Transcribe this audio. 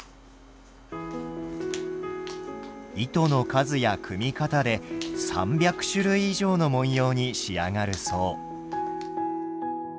糸の数や組み方で３００種類以上の文様に仕上がるそう。